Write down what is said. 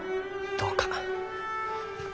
どうか。